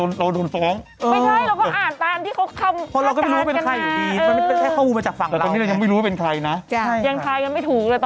ไม่ต้องมาส่งในนี้ใช่ไหม